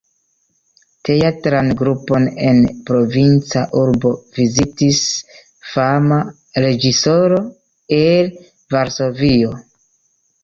Teatran grupon en provinca urbo vizitis fama reĝisoro el Varsovio...